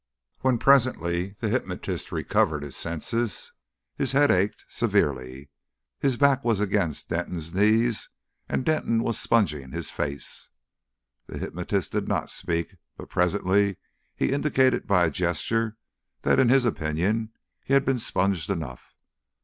When presently the hypnotist recovered his senses, his head ached severely, his back was against Denton's knees and Denton was sponging his face. The hypnotist did not speak. But presently he indicated by a gesture that in his opinion he had been sponged enough.